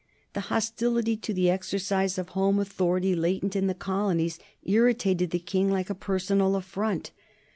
The hostility to the exercise of home authority latent in the colonies irritated the King like a personal affront.